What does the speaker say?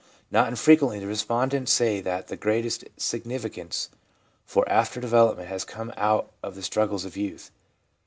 Not infrequently the respondents say that the greatest significance for after development has come out of the struggles of youth.